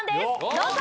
どうぞ！